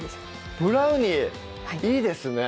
ブラウニーいいですね